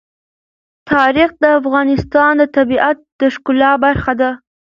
تاریخ د افغانستان د طبیعت د ښکلا برخه ده.